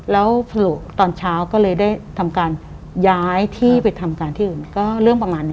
แล้วตอนเช้าก็เลยได้ทำการย้ายที่ไปทำการที่อื่นก็เรื่องประมาณนี้